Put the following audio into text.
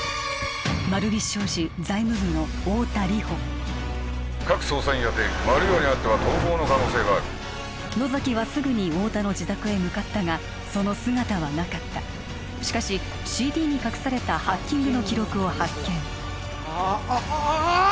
丸菱商事財務部の太田梨歩各捜査員宛てマルヨウにあっては逃亡の可能性がある野崎はすぐに太田の自宅へ向かったがその姿はなかったしかしＣＤに隠されたハッキングの記録を発見あっあああ！